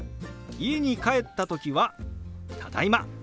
家に帰った時は「ただいま」